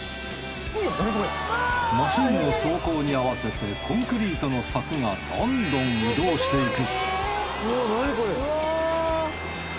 マシンの走行に合わせてコンクリートの柵がどんどん移動していく